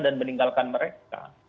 dan meninggalkan mereka